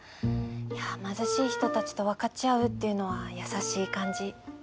貧しい人たちと分かち合うっていうのは優しい感じ。